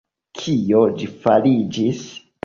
Kio ĝi fariĝis?